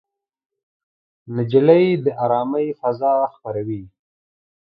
نجلۍ د ارامۍ فضا خپروي.